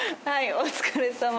お疲れさま。